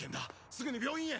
すぐに病院へ！